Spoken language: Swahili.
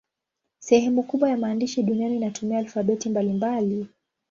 Sehemu kubwa ya maandishi duniani inatumia alfabeti mbalimbali.